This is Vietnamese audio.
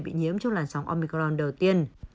bị nhiễm trong làn sóng omicron đầu tiên